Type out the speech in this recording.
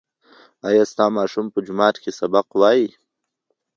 ایا ستا ماشوم په جومات کې سبق وایي؟